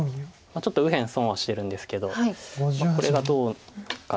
ちょっと右辺損はしてるんですけどこれがどうかです。